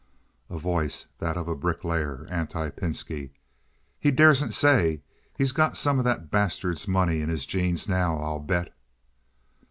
A Voice (that of a bricklayer, anti Pinski). "He daresn't say. He's got some of that bastard's money in his jeans now, I'll bet."